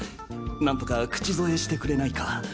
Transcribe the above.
なんとか口添えしてくれないか？